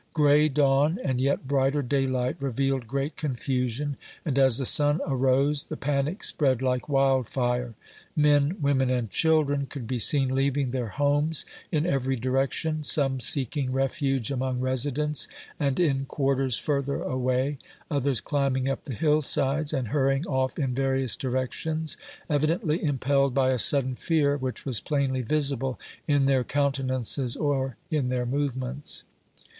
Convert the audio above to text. Gray dawn and yet brighter daylight revealed great confusion, and as the sun arose, the panic spread like wild fire. Men, wo men and children could be seen leaving their homes in every direction ; some seeking refuge among residents, and in quar ters further away, others climbing up the hill sides, and hur rying off in various directions, evidently impelled by a sud den fear, which was plainly visible in their countenances or in their movements.